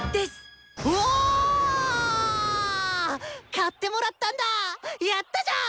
買ってもらったんだ⁉やったじゃん！